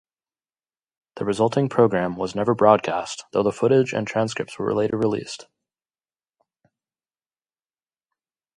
The resulting programme was never broadcast, though the footage and transcripts were later released.